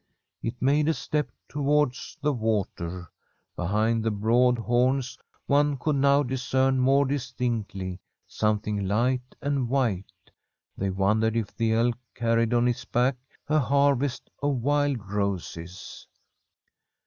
It made a step tow HHI^ \Up wtttcr, Behmd the broad horns one (iMilil MOW diicern more distinctly something IIhIiI aimI white. They wondered if the elk car Itrtl MM ilM back a harvest of wild roses.